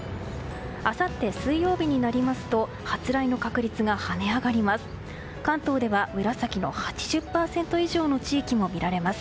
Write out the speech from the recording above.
あさって水曜日になりますと発雷の確率が跳ね上がります。